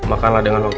aku mau pergi sama fat